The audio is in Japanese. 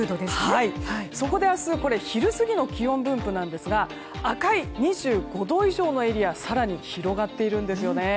そこで明日昼過ぎの気温分布なんですが赤い２５度以上のエリアが更に広がっているんですね。